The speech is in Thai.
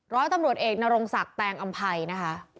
ร้อยตำรวจเอกนรงศักดิ์แตงอำภัยนะคะ